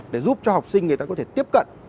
để giúp cho học sinh người ta có thể tiếp cận